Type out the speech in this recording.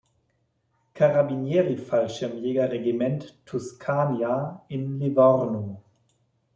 Carabinieri-Fallschirmjäger-Regiment "Tuscania" in Livorno.